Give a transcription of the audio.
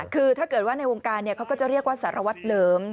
คือถ้าเกิดว่าในวงการเขาก็จะเรียกว่าสารวัตรเหลิม